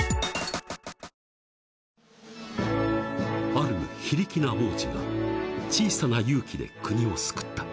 ［ある非力な王子が小さな勇気で国を救った］